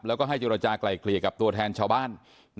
แล้วก็ให้เจรจากลายเกลี่ยกับตัวแทนชาวบ้าน